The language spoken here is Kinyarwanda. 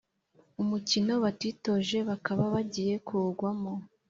umukino batitoje, bakaba bagiye kuwugwamo